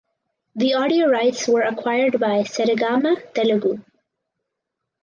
The audio rights were acquired by Saregama Telugu.